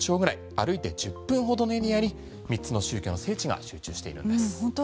歩いて１０分ほどに３つの宗教の聖地が集中している。